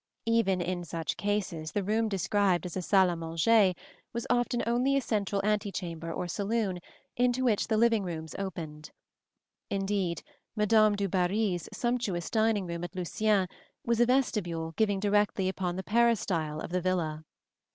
Even in such cases the room described as a salle à manger was often only a central antechamber or saloon into which the living rooms opened; indeed, Madame du Barry's sumptuous dining room at Luciennes was a vestibule giving directly upon the peristyle of the villa.